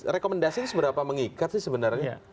rekomendasi ini seberapa mengikat sih sebenarnya